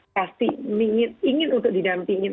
pasti ingin untuk didampingin